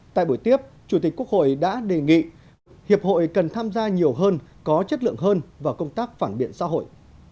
tại buổi tiếp chủ tịch quốc hội đã đề nghị hiệp hội cần tham gia nhiều hơn có chất lượng hơn vào công tác phản biện xã hội